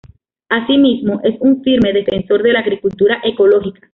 Asimismo, es un firme defensor de la agricultura ecológica.